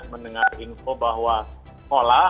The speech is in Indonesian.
mendengar info bahwa sekolah